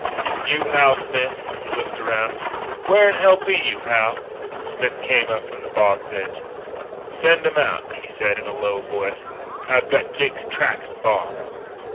And you, Hal Smith," he looked around "where 'n hell be you, Hal? " Smith came up from the bog's edge. "Send 'em out," he said in a low voice. "I've got Jake's tracks in the bog."